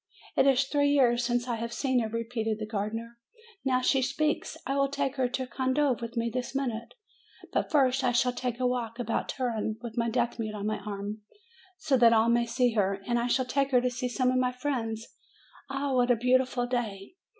"It is three years since I have seen her!" repeated the gardener. "Now she speaks! I will take her to Condove with me this minute. But first I shall take a walk about Turin, with my deaf mute on my arm, so that all may see her, and I shall take her to see some of my friends! Ah, what a beautiful day!